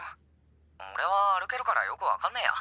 オレは歩けるからよく分かんねえや！